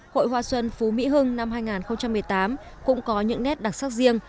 hội hoa xuân phú mỹ hưng năm hai nghìn một mươi tám cũng có những nét đặc sắc riêng